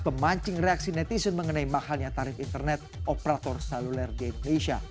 pemancing reaksi netizen mengenai mahalnya tarif internet operator seluler di indonesia